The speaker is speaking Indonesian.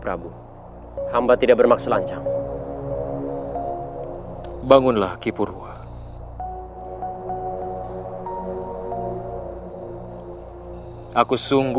penjaga bersama r skemiah emfirm chew ling